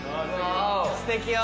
すてきよ！